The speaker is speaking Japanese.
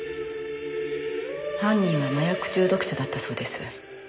犯人は麻薬中毒者だったそうです。